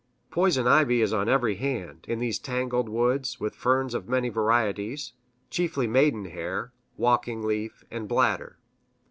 Poison ivy is on every hand, in these tangled woods, with ferns of many varieties chiefly maidenhair, walking leaf, and bladder.